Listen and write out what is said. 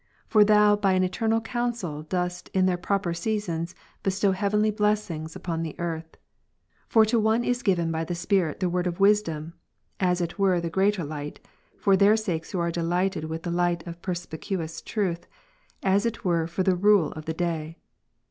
For Thou by an eternal counsel dost in their proper seasons bestow heavenly blessings upon the earth. 1 Cor. 12, 23. For to one is given by the Spirit the word of ivisdom, as '^—^^ it were the greater light, for their sakes who are delighted with the light of perspicuous truth, as it were for the rule of the day.